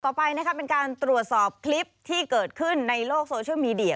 ต่อไปนะคะเป็นการตรวจสอบคลิปที่เกิดขึ้นในโลกโซเชียลมีเดีย